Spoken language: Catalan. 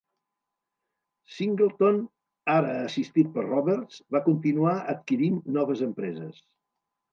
Singleton, ara assistit per Roberts, va continuar adquirint noves empreses.